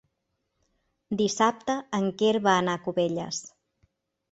Dissabte en Quer va a Cubelles.